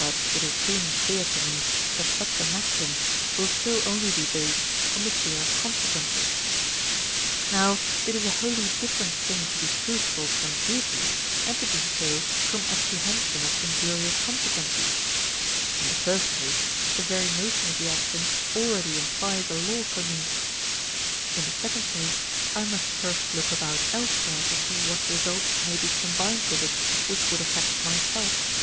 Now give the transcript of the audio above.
But it is soon clear to me that such a maxim will still only be based on the fear of consequences. Now it is a wholly different thing to be truthful from duty and to be so from apprehension of injurious consequences. In the first case, the very notion of the action already implies a law for me; in the second case, I must first look about elsewhere to see what results may be combined with it which would affect myself.